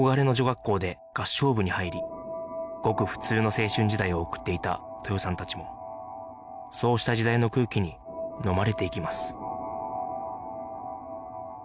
学校で合唱部に入りごく普通の青春時代を送っていた豊さんたちもそうした時代の空気にのまれていきます